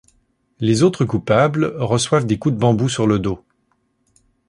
Les autres coupables reçoivent des coups de bambou sur le dos.